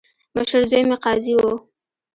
مشر زوی مې قاضي وو.